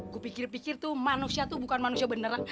gue pikir pikir tuh manusia tuh bukan manusia beneran